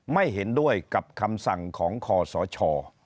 ไม่เห็นด้วยกับคำสั่งของคอสช